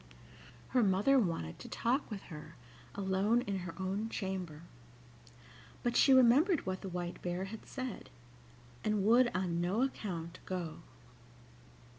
Her mother wanted to talk with her alone in her own chamber. But she remembered what the White Bear had said, and would on no account go.